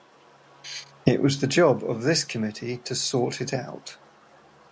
It was the job of this committee to sort it out.